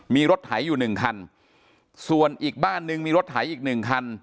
มีรถไถอยู่หนึ่งคันส่วนอีกบ้านนึงมีรถไถอีกหนึ่งคัน